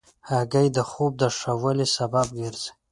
هګۍ د خوب د ښه والي سبب ګرځي.